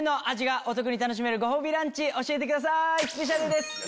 スペシャルです。